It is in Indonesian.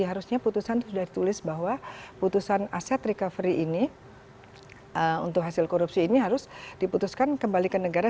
harusnya putusan sudah ditulis bahwa putusan aset recovery ini untuk hasil korupsi ini harus diputuskan kembali ke negara